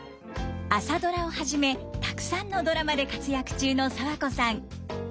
「朝ドラ」をはじめたくさんのドラマで活躍中の爽子さん。